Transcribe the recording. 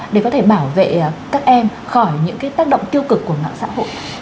để có thể bảo vệ các em khỏi những tác động tiêu cực của mạng xã hội